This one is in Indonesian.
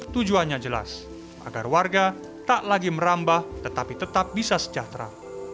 tujuannya jelas agar warga tak lagi merambah tetapi tetap bisa sejahtera